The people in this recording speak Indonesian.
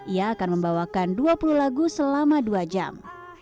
ia akan membawakan dua puluh lagu selama dua jam